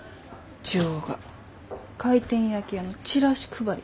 ジョーが回転焼き屋のチラシ配りやて。